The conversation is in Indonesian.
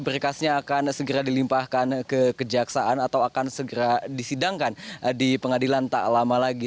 berkasnya akan segera dilimpahkan ke kejaksaan atau akan segera disidangkan di pengadilan tak lama lagi